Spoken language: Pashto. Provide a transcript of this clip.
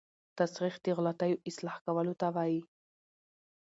تصحیح د غلطیو اصلاح کولو ته وايي.